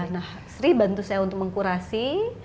nah sri bantu saya untuk mengkurasi